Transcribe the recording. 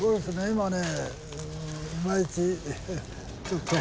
今ね